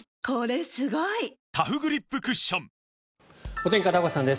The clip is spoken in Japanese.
お天気、片岡さんです。